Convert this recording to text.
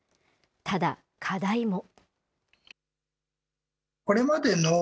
ただ、課題も。